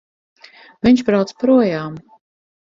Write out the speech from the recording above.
Viņš brauc projām!